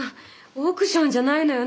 オークションじゃないのよ。